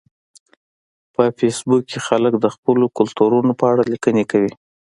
په فېسبوک کې خلک د خپلو کلتورونو په اړه لیکنې کوي